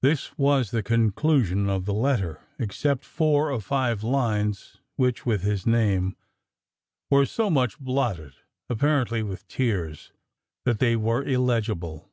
This was the conclusion of the letter, except four or five lines which (with his name) were so much blotted, apparently with tears, that they were illegible.